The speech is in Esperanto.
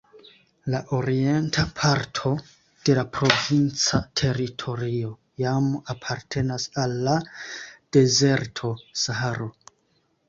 La orienta parto de la provinca teritorio jam apartenas al la dezerto Saharo.